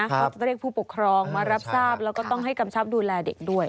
เขาจะเรียกผู้ปกครองมารับทราบแล้วก็ต้องให้กำชับดูแลเด็กด้วย